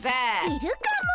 いるかも？